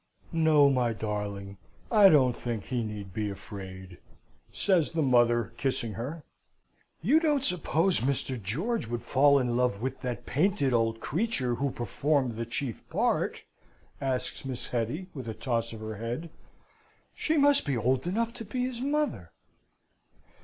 "No, my darling, I don't think he need be afraid," says the mother, kissing her. "You don't suppose Mr. George would fall in love with that painted old creature who performed the chief part?" asks Miss Hetty, with a toss of her head. "She must be old enough to be his mother."